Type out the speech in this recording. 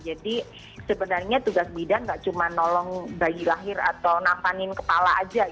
jadi sebenarnya tugas bidan tidak cuma nolong bayi lahir atau nampanin kepala saja